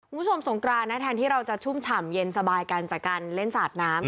คุณผู้ชมสงกรานนะแทนที่เราจะชุ่มฉ่ำเย็นสบายกันจากการเล่นสาดน้ำ